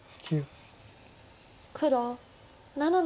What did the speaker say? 黒７の五。